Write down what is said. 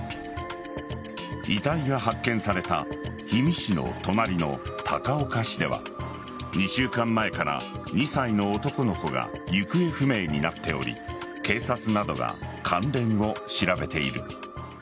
遺体が発見された氷見市の隣の高岡市では２週間前から２歳の男の子が行方不明になっており警察などが関連を調べている。